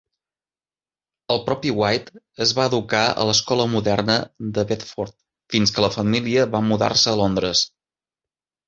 El propi White es va educar a l'Escola Moderna de Bedford fins que la família va mudar-se a Londres.